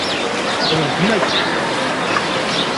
Rebḥen akk!